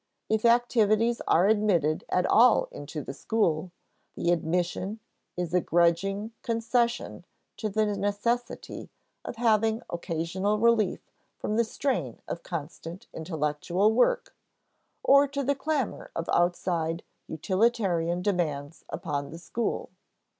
If activities are admitted at all into the school, the admission is a grudging concession to the necessity of having occasional relief from the strain of constant intellectual work, or to the clamor of outside utilitarian demands upon the school.